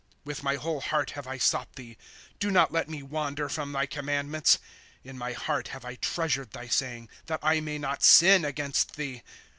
With my whole heart have I sought thee ; Do not let me wander from thy commandments. In my heart have I treasured thy saying, That I may not sin against thee.